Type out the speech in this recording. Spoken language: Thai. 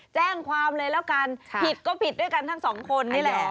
แจ้งความเลยแล้วกันผิดก็ผิดด้วยกันทั้งสองคนนี่แหละ